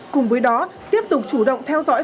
cùng với đó tiếp tục chủ động theo dõi